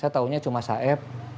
saya taunya cuma saeb